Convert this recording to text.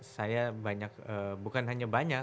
saya banyak bukan hanya banyak